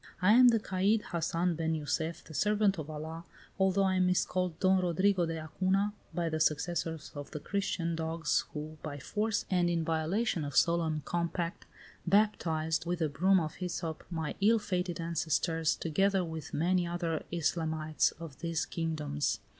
"I am the caid Hassan ben Jussef, the servant of Allah, although I am miscalled Don Rodrigo de Acuna by the successors of the Christian dogs who, by force and in violation of solemn compact, baptized, with a broom of hyssop, my ill fated ancestors, together with many other Islamites of these kingdoms.